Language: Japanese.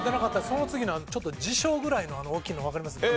その次のちょっと辞書ぐらいの大きいのわかります？